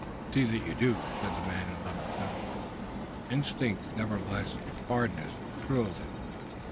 "See that you do," said the man in level tones, instinct nevertheless with hardness and cruelty.